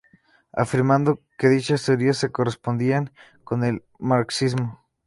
Afirmando que dichas teorías se correspondían con el marxismo.